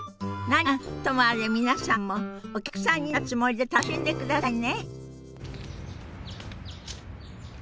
何はともあれ皆さんもお客さんになったつもりで楽しんでくださいね。